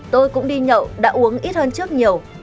tôi cũng đi nhậu đã uống ít hơn trước nhiều